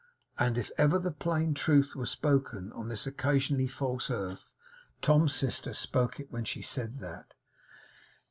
And if ever the plain truth were spoken on this occasionally false earth, Tom's sister spoke it when she said that.